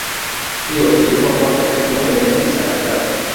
Hiyo ilikuwa mwaka elfu moja mia tisa na tatu